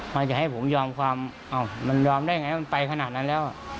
มันจะให้ผมยอมความมันยอมได้ไงมันไปขนาดนั้นแล้ว